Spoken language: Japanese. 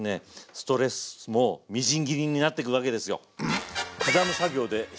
ストレスもみじん切りになっていくわけですよ。